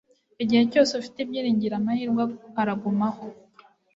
Igihe cyose ufite ibyiringiro, amahirwe aragumaho.